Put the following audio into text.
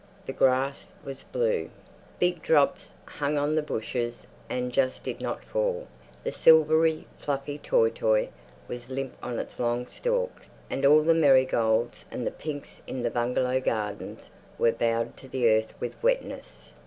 The grass was blue. Big drops hung on the bushes and just did not fall; the silvery, fluffy toi toi was limp on its long stalks, and all the marigolds and the pinks in the bungalow gardens were bowed to the earth with wetness.